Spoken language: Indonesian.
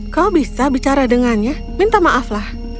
kau bisa bicara dengannya minta maaflah